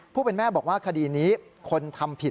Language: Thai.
ผู้เป็นแม่บอกว่าคดีนี้คนทำผิด